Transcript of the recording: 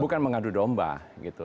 bukan mengadu domba gitu